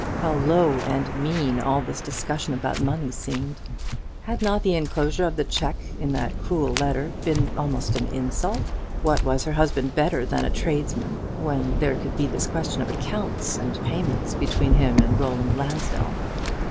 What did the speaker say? How low and mean all this discussion about money seemed! Had not the enclosure of the cheque in that cruel letter been almost an insult? What was her husband better than a tradesman, when there could be this question of accounts and payment between him and Roland Lansdell?